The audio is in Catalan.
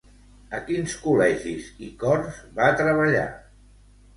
A quins col·legis i cors va treballar?